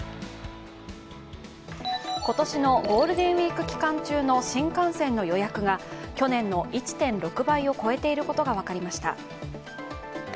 今年のゴールデンウイーク期間中の新幹線の予約が去年の１．６倍を超えていることが分かりました。